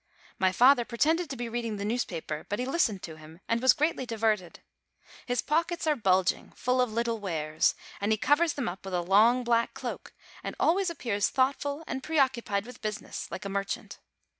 My father pretended to be reading the newspaper; but he listened to him, and was greatly diverted. His pockets are bulging, full of his little wares ; and he covers them up with a long, black cloak, and always appears thoughtful and preoccupied with business, like a merchant.